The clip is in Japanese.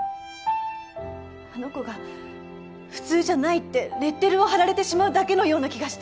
あの子が普通じゃないってレッテルを貼られてしまうだけのような気がして。